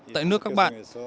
tại nước các bạn